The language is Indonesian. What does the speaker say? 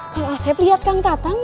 kalau asep lihat kang tatang gak